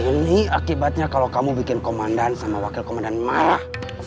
ini akibatnya kalau kamu bikin komandan sama wakil komandan malah